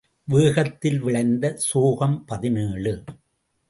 வேகத்தில் விளைந்த சோகம் பதினேழு .